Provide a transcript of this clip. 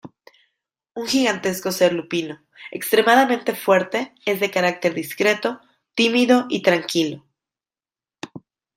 Un gigantesco ser lupino extremadamente fuerte, es de carácter discreto, tímido y tranquilo.